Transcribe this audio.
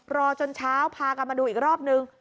รอจนเช้าพากันมาดูอีกรอบนึง